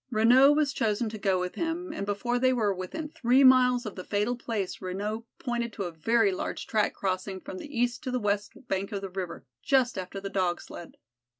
Renaud was chosen to go with him, and before they were within three miles of the fatal place Renaud pointed to a very large track crossing from the east to the west bank of the river, just after the Dog sled.